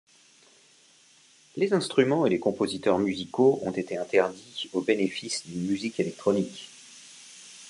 Les instruments et les compositeurs musicaux ont été interdits au bénéfice d’une musique électronique.